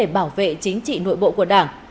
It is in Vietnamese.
vấn đề bảo vệ chính trị nội bộ của đảng